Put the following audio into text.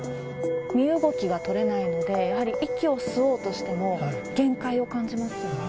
身動きが取れないので、やはり息を吸おうとしても、限界を感じますよね。